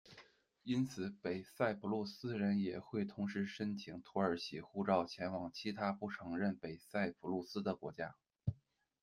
因此，北塞浦路斯人也同时会申请土耳其护照前往其他不承认北塞浦路斯的国家。